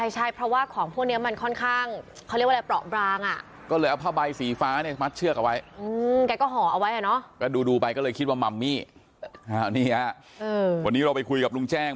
ใช่เพราะว่าของพวกนี้มันค่อนข้าง